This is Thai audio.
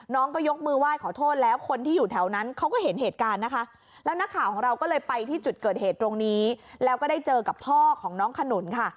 น้องก็ยกมือไหว้ขอโทษแล้วคนที่อยู่แถวนั้นเขาก็เห็นเหตุการณ์นะคะแล้วนักข่าวของเราก็เลยไปที่จุดเกิดเหตุตรงนี้แล้วก็ได้เจอกับพ่อของน้องขนุนค่ะ